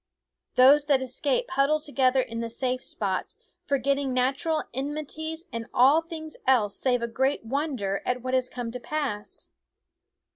Those that escape huddle together in the safe spots, for getting natural enmities and all things else save a great wonder at what has come to pass.